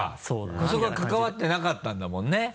そこは関わってなかったんだもんね。